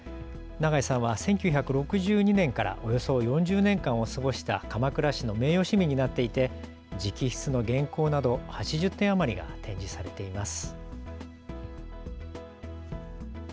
永井さんは１９６２年からおよそ４０年間を過ごした鎌倉市の名誉市民になっていて直筆の原稿など８０点余りが展示されています。